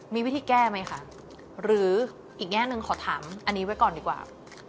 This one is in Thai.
มีวิธีแก้ไหมคะหรืออีกแง่หนึ่งขอถามอันนี้ไว้ก่อนดีกว่า